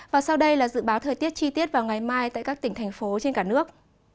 và sau đây là dự báo thời tiết chi tiết vào ngày mai tại các tỉnh thành phố trên cả nước